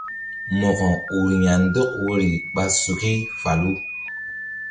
Mo̧ko ur ya̧ndɔk woyri ɓa suki falu.